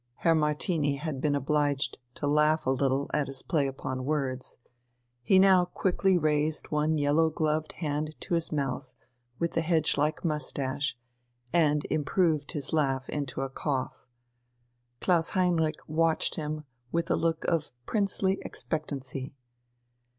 Herr Martini had been obliged to laugh a little at his play upon words. He now quickly raised one yellow gloved hand to his mouth with the hedge like moustache, and improved his laugh into a cough. Klaus Heinrich watched him with a look of princely expectancy.